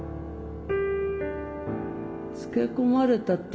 つけ込まれたって。